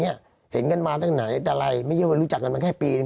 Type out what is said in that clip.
เนี้ยเห็นกันมาตั้งไหนแต่อะไรไม่เยอะว่ารู้จักกันมันแค่ปีน